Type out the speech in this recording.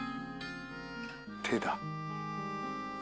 手だ。